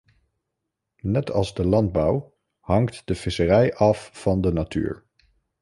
Net als de landbouw hangt de visserij af van de natuur.